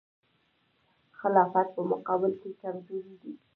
خلافت په مقابل کې کمزوری دی.